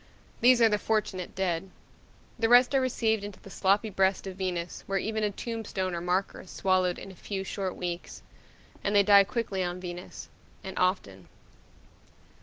These are the fortunate dead. The rest are received into the sloppy breast of Venus where even a tombstone or marker is swallowed in a few, short weeks. And they die quickly on Venus, and often.